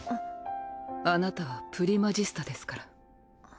あなたはプリマジスタですから。